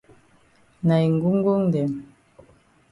Na yi ngongngong dem.